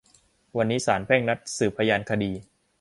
วันนี้ศาลแพ่งนัดสืบพยานคดี